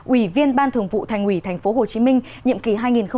ủy viên ban thường vụ thành ủy tp hcm nhiệm kỳ hai nghìn một mươi năm hai nghìn hai mươi